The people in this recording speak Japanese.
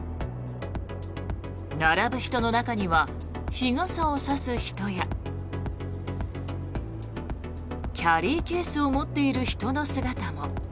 並ぶ人の中には日傘を差す人やキャリーケースを持っている人の姿も。